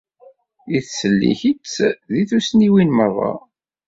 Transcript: Yettsellik-itt deg tussniwin merra.